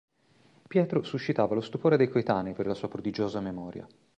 Pietro suscitava lo stupore dei coetanei per la sua prodigiosa memoria.